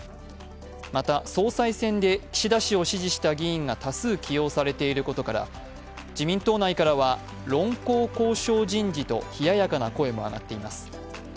また総裁選で岸田氏を支持した議員が多数起用されていることから自民党内からは論功行賞人事と冷ややかな声も上がっています。